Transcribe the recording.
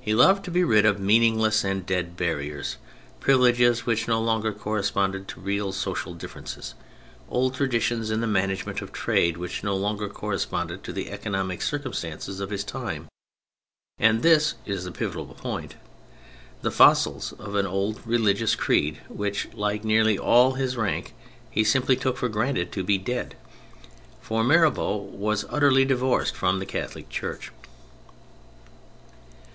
He loved to be rid of mean ingless and dead barriers, privileges which no longer corresponded to real social differ ences, old traditions in the management of trade which no longer corresponded to the economic circumstances of his time, and (this is the pivotal point) the fossils of an old religious creed which, like nearly all of his rank, he simply took for granted to be dead : for Mirabeau was utterly divorced from the Catholic Church.